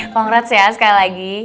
congrats ya sekali lagi